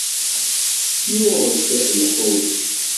Yuɣ-d lḥut.